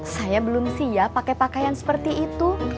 saya belum siap pakai pakaian seperti itu